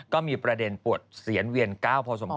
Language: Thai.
ก็มีประเด็นปวดเสียนเวียนก้าวพอสมคว